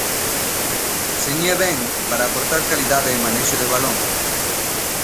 Señé vén para aportar calidade e manexo de balón.